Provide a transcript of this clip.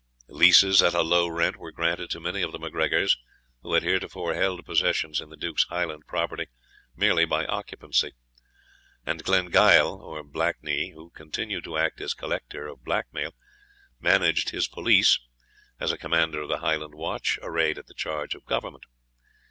Leases at a low rent were granted to many of the MacGregors, who had heretofore held possessions in the Duke's Highland property merely by occupancy; and Glengyle (or Black knee), who continued to act as collector of black mail, managed his police, as a commander of the Highland watch arrayed at the charge of Government.